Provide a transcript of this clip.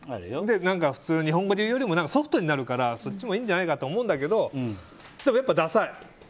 普通、日本語で言うよりもソフトになるからそっちもいいんじゃないかって思うんだけど、やっぱダサい。